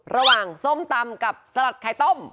ระหว่างส้มตำกับสลัดไข่ต้ม